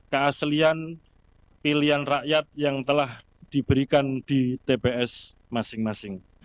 keaslian pilihan rakyat yang telah diberikan di tps masing masing